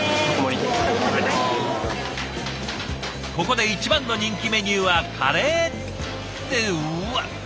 ここで一番の人気メニューはカレー！ってうわすごい山盛り。